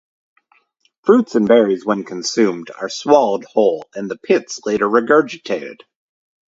Fruits and berries, when consumed are swallowed whole and the pits later regurgitated.